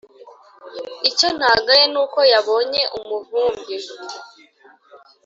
icyo ntagaye ni uko yabonye umuvumbi